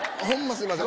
すいません。